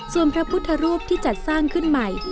ส่วนพระพุทธรูปที่จัดสร้างขึ้นใหม่